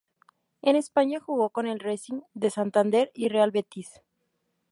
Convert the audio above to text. En España jugó con el Racing de Santander y Real Betis.